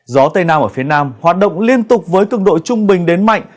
gió tây nam ở phía nam hoạt động liên tục với cực độ trung bình đến mạnh